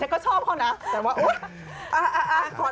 ฉันก็ชอบเขานะแต่ว่า